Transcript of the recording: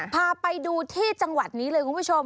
พาไปดูที่จังหวัดนี้เลยคุณผู้ชม